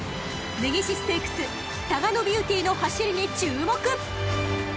［根岸ステークスタガノビューティーの走りに注目！］